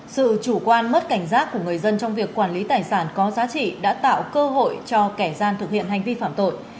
sự chủ quan mất cảnh giác của người dân trong việc quản lý tài sản có giá trị đã tạo cơ hội cho kẻ gian thực hiện hành vi phạm tội